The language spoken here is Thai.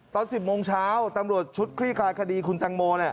ตอน๑๐โมงเช้าตำรวจชุดคลี่คลายคดีคุณแตงโม